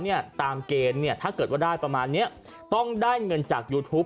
เนี่ยตามเกณฑ์เนี่ยถ้าเกิดว่าได้ประมาณเนี้ยต้องได้เงินจากยูทูป